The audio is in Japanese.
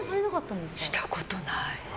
したことない。